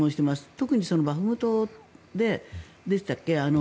特にバフムトでしたっけ。